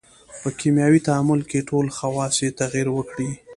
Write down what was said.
په کیمیاوي تعامل کې ټول خواص یې تغیر وکړي.